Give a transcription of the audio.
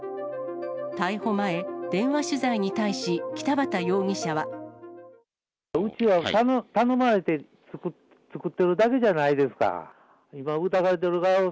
逮捕前、電話取材に対し、北畑容疑者は。